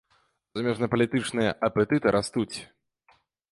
А замежнапалітычныя апетыты растуць.